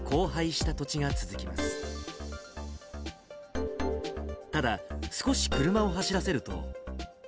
ただ、少し車を走らせると。